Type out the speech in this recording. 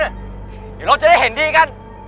เดี๋ยวเราจะได้เห็นดีกัน